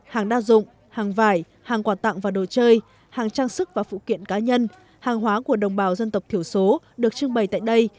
hàng đa dụng hàng vải hàng quà tặng và đồ chơi hàng trang sức và phụ kiện cá nhân hàng hóa của đồng bào dân tộc thiểu số được trưng bày tại đây